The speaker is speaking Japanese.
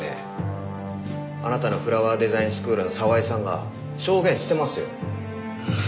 あなたのフラワーデザインスクールの沢井さんが証言してますよ。